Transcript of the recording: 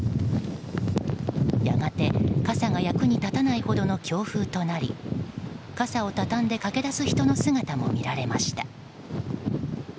やがて、傘が役に立たないほどの強風となり傘を畳んで駆け出す人の姿も見られました。